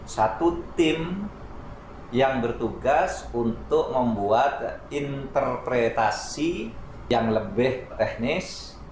satu tim yang bertugas untuk membuat interpretasi yang lebih teknis